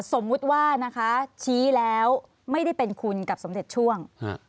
สมมุติว่านะคะชี้แล้วไม่ได้เป็นคุณกับสมเด็จช่วง